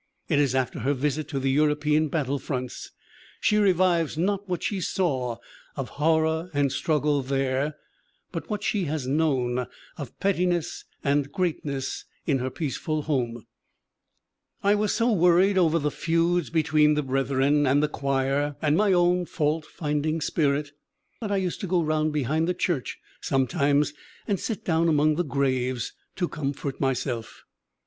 It is after her visit to the European battlefronts. She re 162 THE WOMEN WHO MAKE OUR NOVELS vives not what she saw of horror and struggle there, but what she has known of pettiness and greatness in her peaceful home: "I was so worried over the feuds between the breth ren and the choir and my own fault finding spirit that I used to go round behind the church sometimes and sit down among the graves to comfort myself.